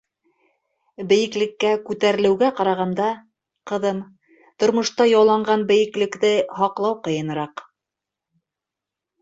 Бейеклеккә күтәрелеүгә ҡарағанда, ҡыҙым, тормошта яуланған бейеклекте һаҡлау ҡыйыныраҡ.